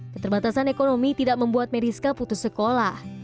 keterbatasan ekonomi tidak membuat meriska putus sekolah